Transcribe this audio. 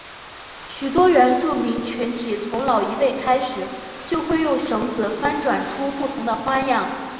许多原住民群体从老一辈开始就会用绳子翻转出不同的花样。